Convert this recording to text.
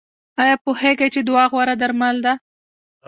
ایا پوهیږئ چې دعا غوره درمل ده؟